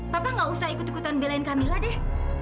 papa gak usah ikut ikutan belain kamila deh